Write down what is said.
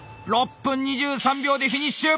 ６分２３秒でフィニッシュ。